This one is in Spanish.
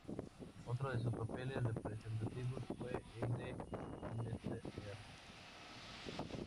Otro de sus papeles representativos fue el de Mr.